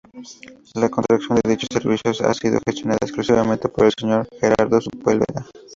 La contratación de dichos servicios ha sido gestionada exclusivamente por el señor Gerardo Sepúlveda".